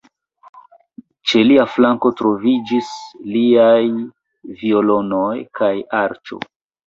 Ĉe lia flanko troviĝis liaj violono kaj arĉo.